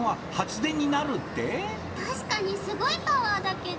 たしかにすごいパワーだけど。